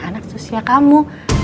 anak susia kamu